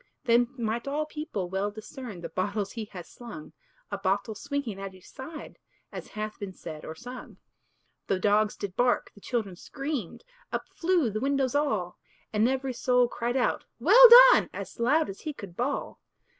Then might all people well discern The bottles he has slung; A bottle swinging at each side, As hath been said or sung. The dogs did bark, the children screamed Up flew the windows all; And every soul cried out, "Well done!" As loud as he could bawl.